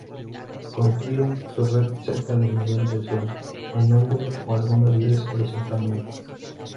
Construyen su red cerca del nivel del suelo, en ángulo o algunas veces horizontalmente.